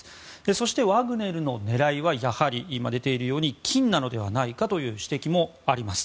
そして、ワグネルの狙いはやはり今出ているように金なのではないかという指摘もあります。